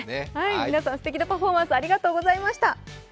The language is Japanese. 皆さん、すてきなパフォーマンスありがとうございました。